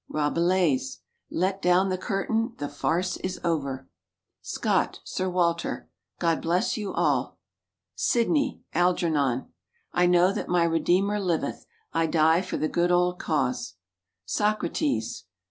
Rabelais. "Let down the curtain, the farce is over." Scott, Sir Walter. "God bless you all!" Sidney, Algernon. "I know that my Redeemer liveth. I die for the good old cause." Socrates.